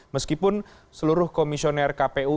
meskipun seluruh komisioner kpu